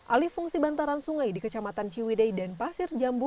alih fungsi bantaran sungai di kecamatan ciwidei dan pasir jambu